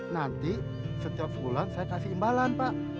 nanti setiap sebulan saya kasih imbalan pak